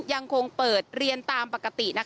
ยังคงเปิดเรียนตามปกติ